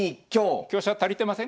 香車足りてません？